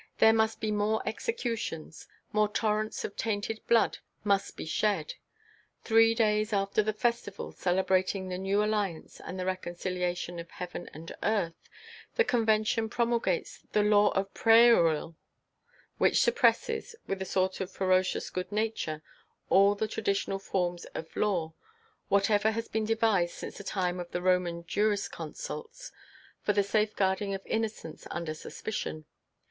There must be more executions; more torrents of tainted blood must be shed. Three days after the festival celebrating the new alliance and the reconciliation of heaven and earth, the Convention promulgates the Law of Prairial which suppresses, with a sort of ferocious good nature, all the traditional forms of Law, whatever has been devised since the time of the Roman jurisconsults for the safeguarding of innocence under suspicion.